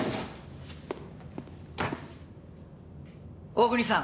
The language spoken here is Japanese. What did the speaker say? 大國さん。